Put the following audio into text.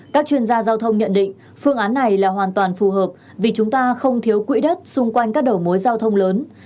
các chuyên gia giao thông nhận định phương án này là hoàn toàn phù hợp vì chúng ta không thiếu quỹ đất xung quanh các đầu mối giao thông lớn